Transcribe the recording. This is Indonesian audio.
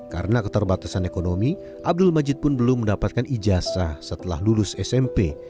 karena keterbatasan ekonomi abdul majid pun belum mendapatkan ijasa setelah lulus smp